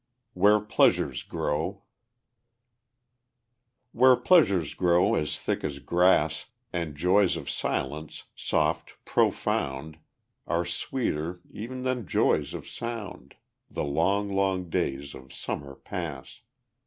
Where Pleasures Grow Where pleasures grow as thick as grass, And joys of silence, soft, profound, Are sweeter e'en than joys of sound, The long, long days of summer pass.